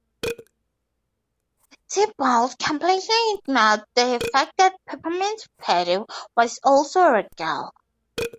Thibault completely ignored the fact that Peppermint Patty was also a girl.